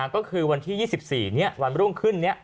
ก็คือวันที่๒๔วันรุ่งขึ้น